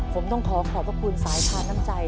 ผมต้องขอขอบพระคุณสายชาน้ำใจ